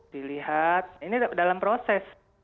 dilihat ini dalam proses